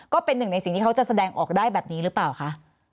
ก็เป็นหนึ่งในสิ่งที่เขาจะแสดงออกได้แบบนี้หรือเปล่าคะ